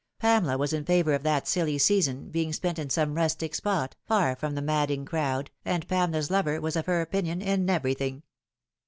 Pamela was in favour of that silly season being spent in some rustic spot, far from the madding crowd, arid Pamela's lover was of her opinion in everything.